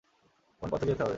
কোন পথে যেতে হবে?